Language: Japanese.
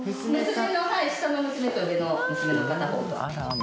下の娘と上の娘のカノコと。